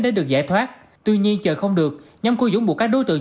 để được giải thoát tuy nhiên chờ không được nhóm của dũng buộc các đối tượng